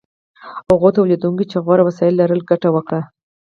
هغو تولیدونکو چې غوره وسایل لرل ګټه وکړه.